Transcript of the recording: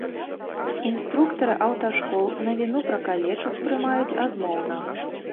Інструктары аўташкол навіну пра каледж успрымаюць адмоўна.